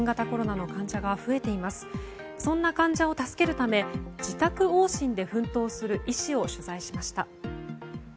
そんな患者を助けるため自宅往診で奮闘する医師を取材しました。